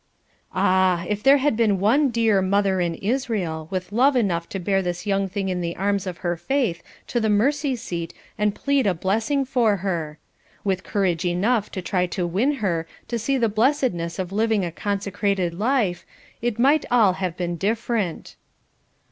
Ah! if there had been one dear "mother in Israel," with love enough to bear this young thing in the arms of her faith to the mercy seat and plead a blessing for her with courage enough to try to win her to see the blessedness of living a consecrated life, it might all have been different.